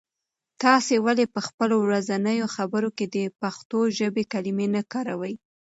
تاسې ولې په خپلو ورځنیو خبرو کې د پښتو ژبې کلمې نه کاروئ؟